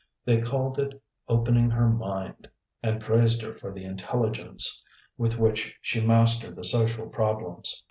They called it opening her mind and praised her for the intelligence with which she mastered the social problems.